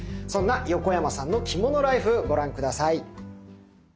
そんな横山さんの着物ライフご覧下さい。